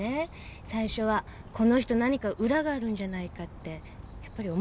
最初はこの人何か裏があるんじゃないかってやっぱり思ったけどね。